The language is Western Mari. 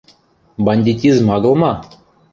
Бандитизм агыл ма?